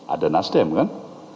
ada nasdem kan